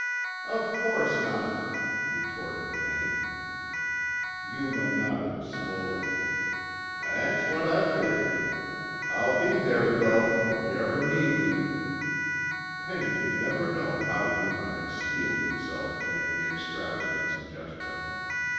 "Of course not!" retorted Penny. Yuma nodded slowly. "That's what I figgered. I'll be there, though, if ever yuh need me." Penny could never know how Yuma had steeled himself to make the extravagant suggestion.